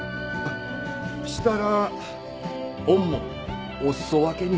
したらおんもお裾分けに。